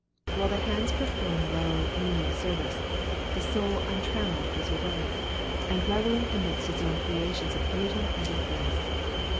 While the hands perform low, menial service, the soul untrammelled is away, and revelling amidst its own creations of beauty and of bliss.